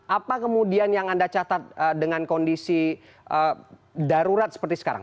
apa kemudian yang anda catat dengan kondisi darurat seperti sekarang